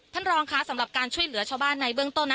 ท่านรองค่ะสำหรับการช่วยเหลือชาวบ้านในเบื้องต้นนะ